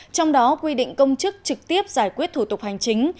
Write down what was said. trong đó quy định công chức trực tiếp giải quyết thủ tục hành chính